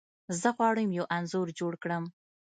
زه غواړم یو انځور جوړ کړم.